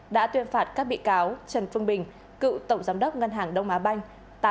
đã tuyên phạt các bị cáo trần phương bình cựu tổng giám đốc ngân hàng đông á banh